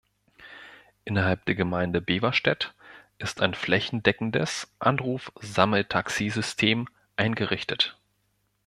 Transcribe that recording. Innerhalb der Gemeinde Beverstedt ist ein flächendeckendes Anruf-Sammeltaxi-System eingerichtet.